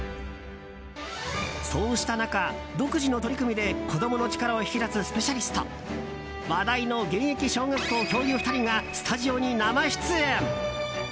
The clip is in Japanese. そうした中、独自の取り組みで子供の力を引き出すスペシャリスト話題の現役小学校教諭２人がスタジオに生出演。